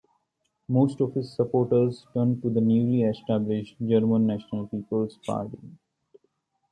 Most of its supporters turned to the newly established German National People's Party.